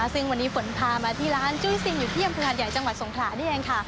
ซึ่งวันนี้ฝนพามาที่ร้านจุ้ยซิงอยู่ที่อำเภอหัดใหญ่จังหวัดสงขลานี่เองค่ะ